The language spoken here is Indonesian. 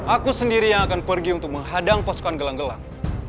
aku sendiri yang akan pergi untuk menghadang pasukan gelang gelang